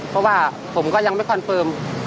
เพราะว่าผมก็ยังไม่คอนเฟิร์ม